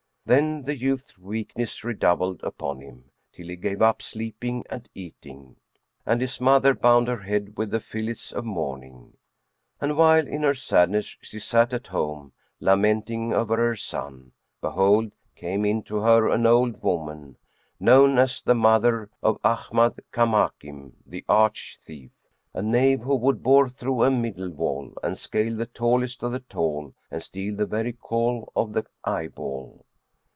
Then the youth's weakness redoubled upon him, till he gave up sleeping and eating, and his mother bound her head with the fillets of mourning. And while in her sadness she sat at home, lamenting over her son, behold, came in to her an old woman, known as the mother of Ahmad Kamбkim[FN#88] the arch thief, a knave who would bore through a middle wall and scale the tallest of the tall and steal the very kohl off the eye ball.